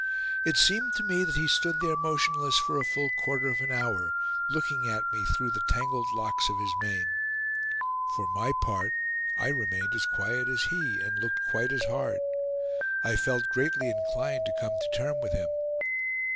It seemed to me that he stood there motionless for a full quarter of an hour, looking at me through the tangled locks of his mane. For my part, I remained as quiet as he, and looked quite as hard; I felt greatly inclined to come to term with him.